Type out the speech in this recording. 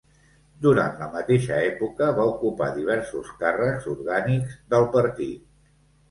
Durant la mateixa època va ocupar diversos càrrecs orgànics del partit.